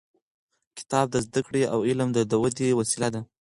کتاب د زده کړې او علم د ودې وسیله ده.